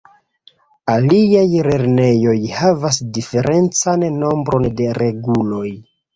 Aliaj lernejoj havas diferencan nombron de reguloj.